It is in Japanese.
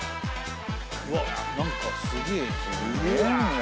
うわっ何かすげえっすねうわ